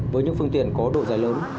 với những phương tiện có độ dài lớn